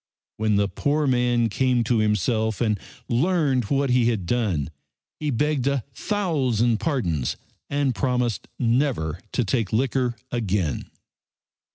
When the poor man came to himself and learned what he had done he begged a thousand pardons and promised never to take liquor again.